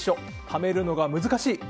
ためるのが難しい！